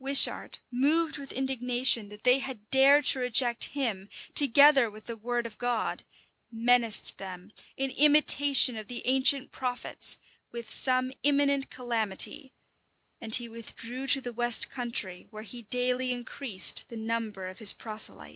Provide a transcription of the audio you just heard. Wishart, moved with indignation that they had dared to reject him, together with the word of God, menaced them, in imitation of the ancient prophets, with some imminent calamity; and he withdrew to the west country, where he daily increased the number of his proselytes.